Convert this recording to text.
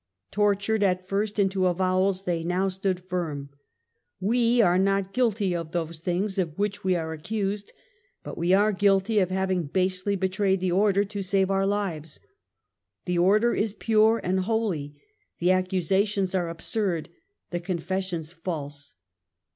Tortured at the first into avowals they now stood firm. " We are not guilty of those things of which we are accused, but we are guilty of having basely betrayed the Order to save our lives. The Order is pure and holy, the accusations are absurd, the confessions false."